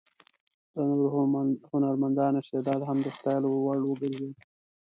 د نورو هنرمندانو استعداد هم د ستایلو وړ وګرځېد.